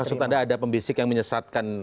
jadi maksud anda ada pembesik yang menyesatkan